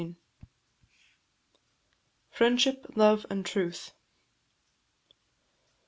"FRIENDSHIP, LOVE, AND TRUTH."